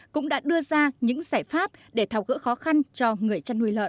cũng đã đưa ra những giải pháp để thao gỡ khó khăn cho người chăn nuôi lợn